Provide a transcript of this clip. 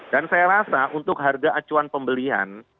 dan saya rasa untuk harga acuan pembelian